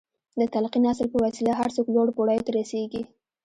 د تلقين اصل په وسيله هر څوک لوړو پوړيو ته رسېږي.